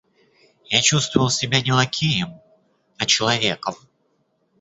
Я чувствовал себя не лакеем, а человеком.